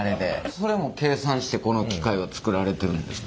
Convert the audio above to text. それも計算してこの機械を作られてるんですか？